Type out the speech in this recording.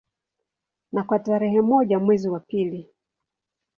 Na kwa tarehe moja mwezi wa pili